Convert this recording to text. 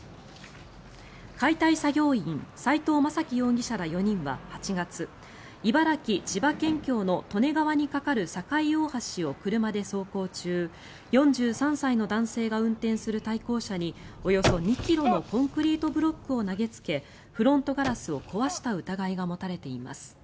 解体作業員斉藤雅樹容疑者ら４人は８月茨城・千葉県境の利根川に架かる境大橋を車で走行中４３歳の男性が運転する対向車におよそ２ｋｇのコンクリートブロックを投げつけフロントガラスを壊した疑いが持たれています。